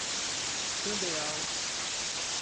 Candeal